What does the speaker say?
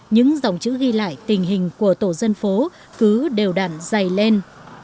những dòng chữ ghi lại tình hình của tổ dân phố cứ đều đạn dày lên